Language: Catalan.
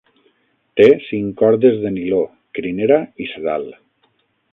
Té cinc cordes de niló, crinera i sedal.